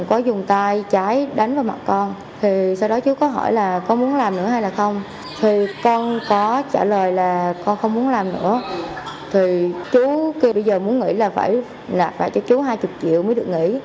cô không muốn làm nữa thì chú kêu bây giờ muốn nghỉ là phải nạp vạ cho chú hai mươi triệu mới được nghỉ